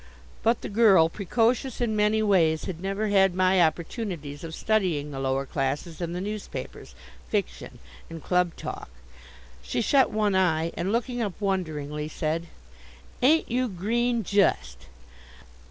But the girl, precocious in many ways, had never had my opportunities of studying the lower classes in the newspapers, fiction, and club talk. She shut one eye, and looking up wonderingly, said: "Ain't you green just!"